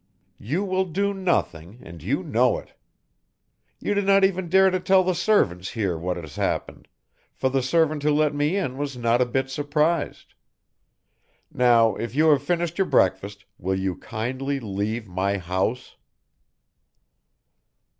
You will do nothing and you know it. You did not even dare to tell the servants here what has happened, for the servant who let me in was not a bit surprised. Now, if you have finished your breakfast, will you kindly leave my house?"